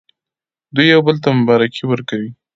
دوی یو بل ته مبارکي ورکوي.